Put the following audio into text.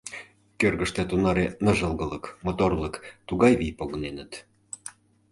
Кӧргыштӧ тунаре ныжылгылык, моторлык, тугай вий погыненыт.